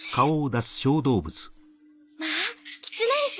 まあキツネリス！